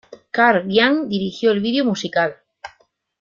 Karl giant dirigió el video musical.